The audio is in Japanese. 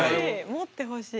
持ってほしい。